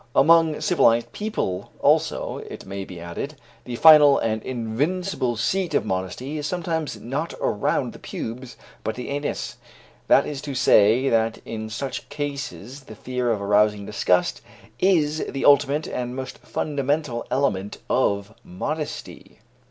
Among civilized people, also, it may be added, the final and invincible seat of modesty is sometimes not around the pubes, but the anus; that is to say, that in such cases the fear of arousing disgust is the ultimate and most fundamental element of modesty.